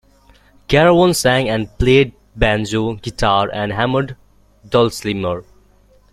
Carawan sang and played banjo, guitar, and hammered dulcimer.